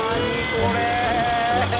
これ！